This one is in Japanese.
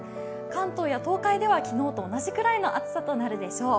関東や東海では昨日と同じくらいの暑さとなるでしょう。